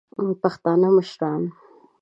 پښتانه مشران